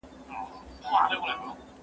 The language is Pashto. تاریخ د واقعیت طرز غوره کوي.